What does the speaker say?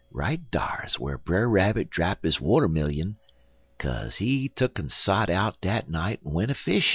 "Right dar's whar Brer Rabbit drap his watermillion, kaze he tuck'n sot out dat night en went a fishin'.